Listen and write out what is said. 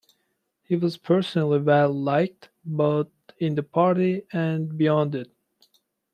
He was personally well-liked, both in the party and beyond it.